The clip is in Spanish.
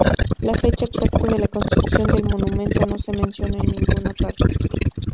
La fecha exacta de la construcción del monumento no se menciona en ninguna parte.